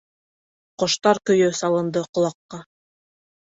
Ҡоштар көйө салынды ҡолаҡҡа.